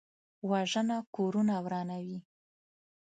وژنه کورونه ورانوي